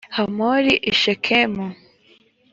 hamori i shekemu